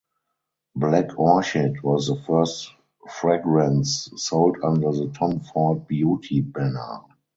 Black Orchid was the first fragrance sold under the Tom Ford Beauty banner.